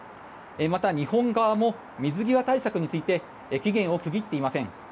また、日本側も水際対策について期限を区切っていません。